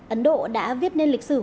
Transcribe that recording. ấn độ đã viếp nên lịch sử